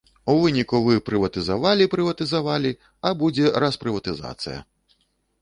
У выніку вы прыватызавалі, прыватызавалі, а будзе распрыватызацыя.